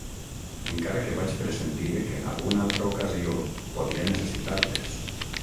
Encara que vaig pressentir que en alguna altra ocasió podia necessitar-les.